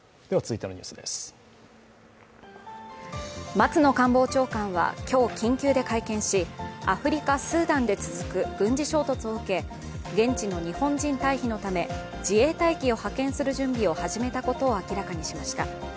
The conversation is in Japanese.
松野官房長官は今日、緊急で会見しアフリカ・スーダンで続く軍事衝突を受け現地の日本人退避のため自衛隊機を派遣する準備を始めたことを明らかにしました。